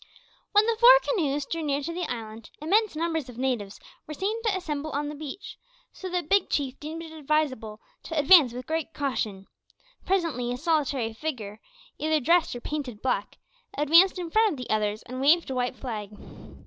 When the four canoes drew near to the island, immense numbers of natives were seen to assemble on the beach, so that Big Chief deemed it advisable to advance with caution. Presently a solitary figure, either dressed or painted black, advanced in front of the others and waved a white flag.